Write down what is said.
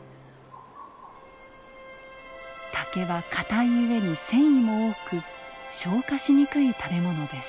竹は硬い上に繊維も多く消化しにくい食べ物です。